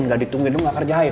nggak ditungguin lo gak kerjain